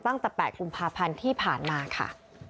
ตั้งแต่๘กุมภาพันธ์ที่ผ่านมาค่ะ